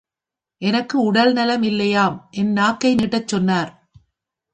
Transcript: எனக்கு உடல்நலம் இல்லையாம் என் நாக்கை நீட்டச் சொன்னார்.